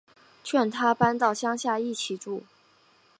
劝他搬到乡下一起住